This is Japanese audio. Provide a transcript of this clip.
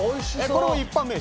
これ。